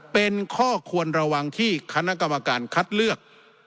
เป็นข้อควรระวังที่คณะกรรมการคัดเลือก